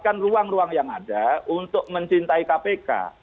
tapi saya mencintai kpk